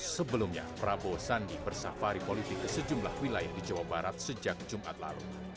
sebelumnya prabowo sandi bersafari politik ke sejumlah wilayah di jawa barat sejak jumat lalu